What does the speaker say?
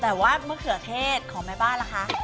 แต่ว่ามะเขือเทศของแม่บ้านล่ะคะ